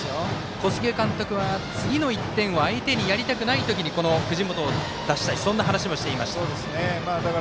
小菅監督は次の１点を相手にあげたくないときに藤本を出したいとそんな話もしていました。